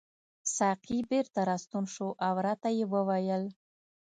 ساقي بیرته راستون شو او راته یې وویل.